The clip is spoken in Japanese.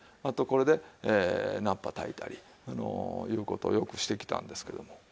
あとこれで菜っ葉炊いたりいう事をよくしてきたんですけども。